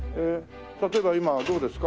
例えば今どうですか？